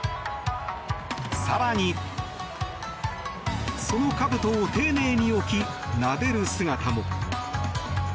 更に、そのかぶとを丁寧に置きなでる姿も。